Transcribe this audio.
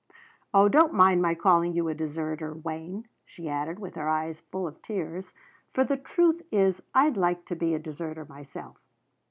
Oh, don't mind my calling you a deserter, Wayne," she added, her eyes full of tears, "for the truth is I'd like to be a deserter myself.